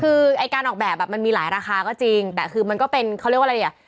คือไอ้การออกแบบอ่ะมันมีหลายราคาก็จริงแต่คือมันก็เป็นเขาเรียกว่าอะไรอ่ะ